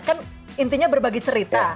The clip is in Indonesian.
kan intinya berbagi cerita